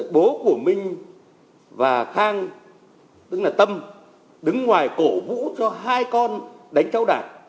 bố của minh và khang tức là tâm đứng ngoài cổ vũ cho hai con đánh cháu đạt